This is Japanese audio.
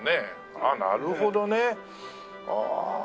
あっなるほどね。ああ。